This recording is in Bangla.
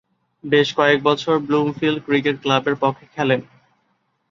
বেশ কয়েকবছর ব্লুমফিল্ড ক্রিকেট ক্লাবের পক্ষে খেলেন।